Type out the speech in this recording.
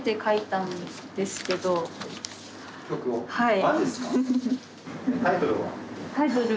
はい。